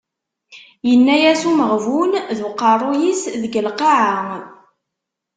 Yenna-as umeɣbun d uqerruy-is deg lqaɛa.